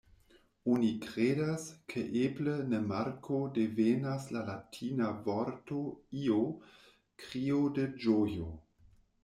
Oni kredas, ke eble la marko devenas la latina vorto "io", krio de ĝojo.